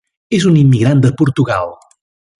És un immigrant de Portugal.